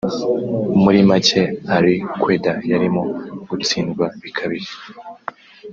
"Muri make Al Qaeda yarimo gutsindwa bikabije